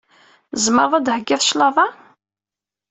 Tzemreḍ ad d-theggiḍ claḍa?